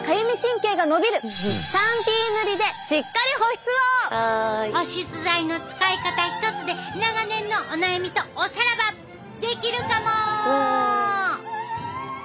保湿剤の使い方一つで長年のお悩みとおさらばできるかも！